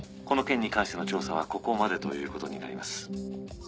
この件に関しての調査はここまでということになります。